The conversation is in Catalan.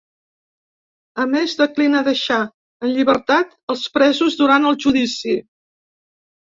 A més, declina deixar en llibertat els presos durant el judici.